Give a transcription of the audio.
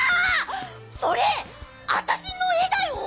それあたしのえだよ！